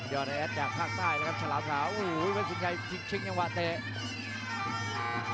ยอดแอดอยากฆ่าใต้นะครับสลามขาวโอ้โหวันสินชายชิคกี้พายังวะเตะ